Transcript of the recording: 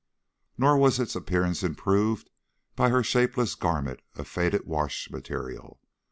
Nor was its appearance improved by her shapeless garment of faded wash material.